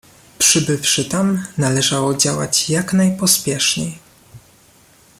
"Przybywszy tam, należało działać jak najpospieszniej."